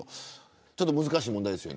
ちょっと難しい問題ですよね。